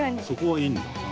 そこはいいんだ。